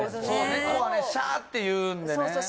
猫はねシャーっていうんでね。